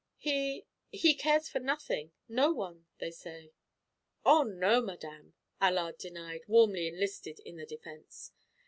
"He, he cares for nothing, no one, they say." "Oh, no, madame," Allard denied, warmly enlisted in the defense.